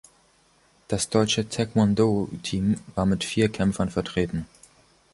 Das Deutsche Taekwondo-Team war mit vier Kämpfern vertreten.